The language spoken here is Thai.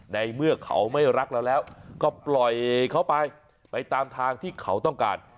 ในเมื่อเขาไม่รักเราแล้วก็ปล่อยเขาไปไปตามทางที่เขาต้องการ